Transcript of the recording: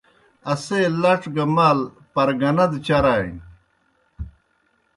اسے لڇ گہ مال پرگنہ دہ چرَانیْ۔